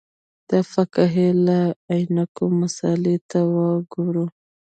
د فقهې له عینکو مسألې ته وګورو.